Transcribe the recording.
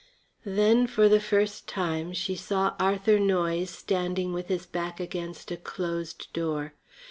Then, for the first time, she saw Arthur Noyes standing with his back against a closed door.